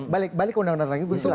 balik ke undang undang tadi